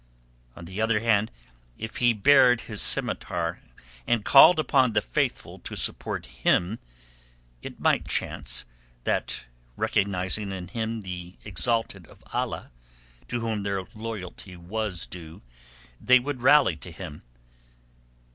On the other hand, if he bared his scimitar and called upon the faithful to support him, it might chance that recognizing in him the exalted of Allah to whom their loyalty was due, they would rally to him.